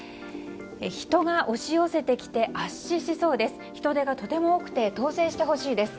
人が押し寄せてきて圧死しそうです。